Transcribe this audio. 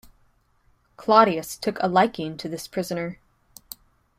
Claudius took a liking to this prisoner.